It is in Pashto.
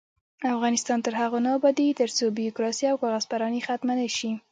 افغانستان تر هغو نه ابادیږي، ترڅو بیروکراسي او کاغذ پراني ختمه نشي.